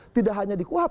tidak hanya di kuhab